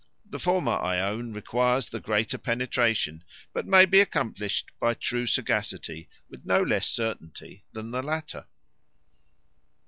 The former, I own, requires the greater penetration; but may be accomplished by true sagacity with no less certainty than the latter.